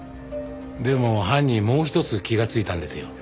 でも犯人もう一つ気がついたんですよ。